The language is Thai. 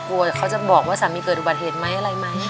เขาจะบอกว่าสามีเกิดอุบัติเหตุไหมอะไรไหม